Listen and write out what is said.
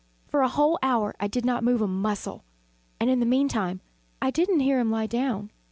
For a whole hour I did not move a muscle, and in the meantime I did not hear him lie down.